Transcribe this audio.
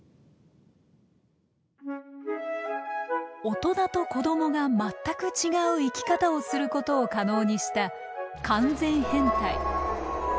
大人と子供が全く違う生き方をすることを可能にした完全変態。